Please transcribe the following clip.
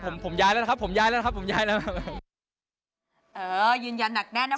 ผมผมย้ายแล้วนะครับผมย้ายแล้วนะครับผมย้ายแล้วครับเออยืนยันหนักแน่นนะ